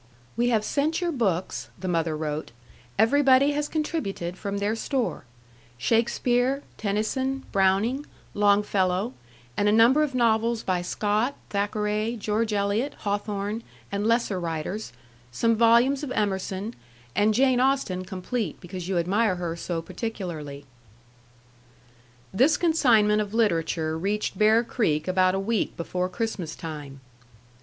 "We have sent your books," the mother wrote; "everybody has contributed from their store, Shakespeare, Tennyson, Browning, Longfellow; and a number of novels by Scott, Thackeray, George Eliot, Hawthorne, and lesser writers; some volumes of Emerson; and Jane Austen complete, because you admire her so particularly." This consignment of literature reached Bear Creek about a week before Christmas time.